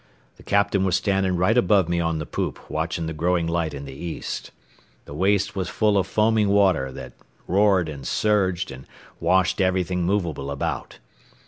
The captain was standing right above me on the poop watching the growing light in the east. The waist was full of foamy water that roared and surged and washed everything movable about.